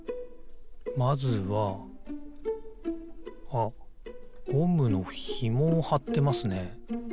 あっゴムのひもをはってますね。